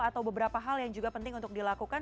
atau beberapa hal yang juga penting untuk dilakukan